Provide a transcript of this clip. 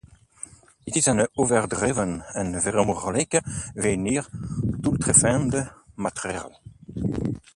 Dit is een overdreven en vermoedelijk weinig doeltreffende maatregel.